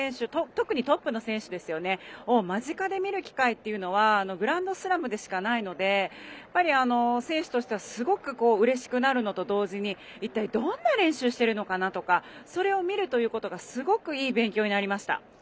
特にトップの選手を間近で見る機会はグランドスラムでしかないので選手としてはすごくうれしくなるのと同時に一体どんな練習をしているのかとかそれを見ることがすごくいい勉強になりました。